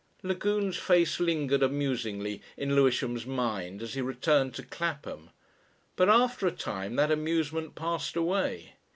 Lagune's face lingered amusingly in Lewisham's mind as he returned to Clapham. But after a time that amusement passed away.